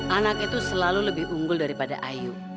anak itu selalu lebih unggul daripada ayu